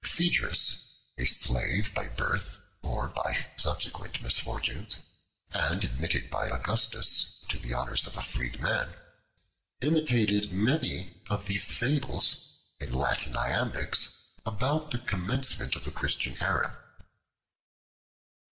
Phaedrus, a slave by birth or by subsequent misfortunes, and admitted by Augustus to the honors of a freedman, imitated many of these fables in Latin iambics about the commencement of the Christian era.